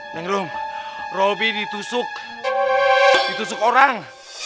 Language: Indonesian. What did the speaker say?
neng robi ditusuk ditusuk orang